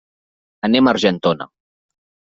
Anem a Argentona.